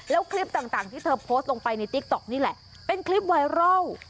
แล้วคลิปต่างที่เธอโพสต์ลงไปในติ๊กต๊อกนี่แหละเป็นคลิปไวรัล